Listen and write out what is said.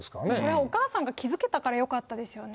お母さんが気付けたからいいですよね。